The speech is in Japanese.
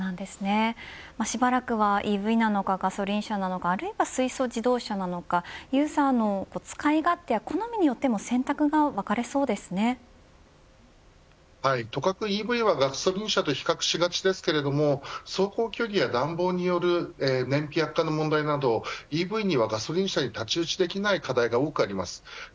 しばらくはＥＶなのかガソリン車なのかあるいは水素自動車なのかユーザーの使い勝手や好みによっても選択がとかく、ＥＶはガソリン車と比較されがちですが航行距離や暖房による燃費悪化の問題などＥＶにはガソリン車に太刀打ちできない課題が多くあります。